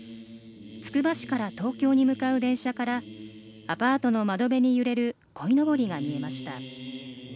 つくば市から東京に向かう電車からアパートの窓辺に揺れる鯉幟が見えました。